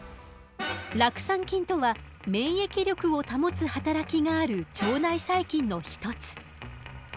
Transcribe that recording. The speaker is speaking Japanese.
酪酸菌とは免疫力を保つ働きがある腸内細菌の一つ。